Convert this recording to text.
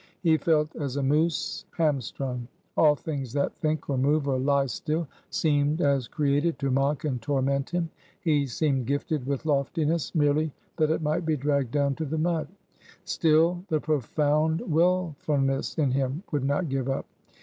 He felt as a moose, hamstrung. All things that think, or move, or lie still, seemed as created to mock and torment him. He seemed gifted with loftiness, merely that it might be dragged down to the mud. Still, the profound willfulness in him would not give up.